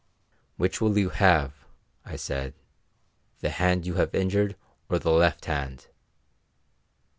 "Which will you have," I said, "the hand you have injured or the left hand?"